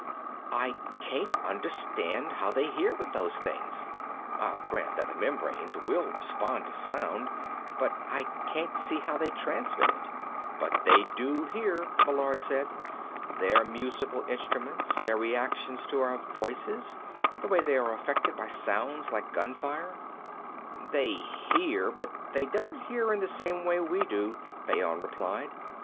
"I can't understand how they hear with those things. I'll grant that the membranes will respond to sound, but I can't see how they transmit it." "But they do hear," Meillard said. "Their musical instruments, their reactions to our voices, the way they are affected by sounds like gunfire " "They hear, but they don't hear in the same way we do," Fayon replied.